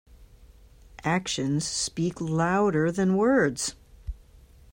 Actions speak louder than words.